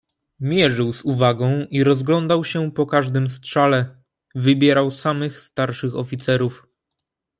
"Mierzył z uwagą, i rozglądał się po każdym strzale, wybierał samych starszych, oficerów..."